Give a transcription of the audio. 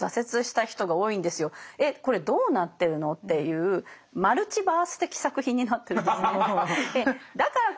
「えっこれどうなってるの？」っていうマルチバース的作品になってるんですね。